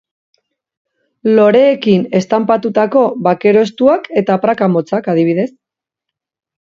Loreekin estanpatutako bakero estuak eta praka motzak adibidez.